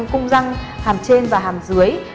cung răng hàm trên và hàm dưới